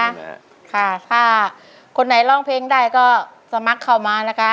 บางคนที่ได้ลองเพลงก็สมัครเข้ามานะคะ